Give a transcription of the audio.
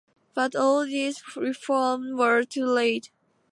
But all these reforms were too late.